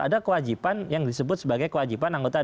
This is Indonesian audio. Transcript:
ada kewajiban yang disebut sebagai kewajiban anggota